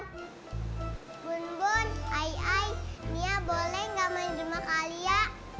bun bun ai ai mia boleh gak main lima kali ya